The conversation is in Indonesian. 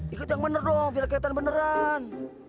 ikut yang bener dong biar kelihatan beneran